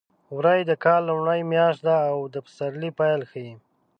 وری د کال لومړۍ میاشت ده او د پسرلي پیل ښيي.